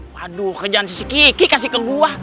waduh kerjaan si kiki kasih ke gue